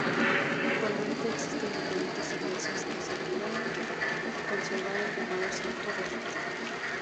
Actualmente existen diferentes iglesias que aseguran conservar el llamado Santo Rostro.